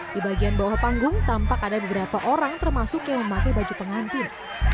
di bagian bawah panggung tampak ada beberapa orang termasuk yang memakai baju pengantin